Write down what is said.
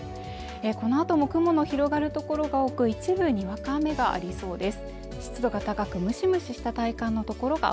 このあとも雲の広がる所が多く一部にわか雨がありそうです